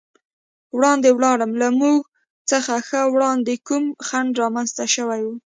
وړاندې ولاړم، له موږ څخه ښه وړاندې کوم خنډ رامنځته شوی و.